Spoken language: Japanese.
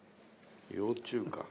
幼虫か。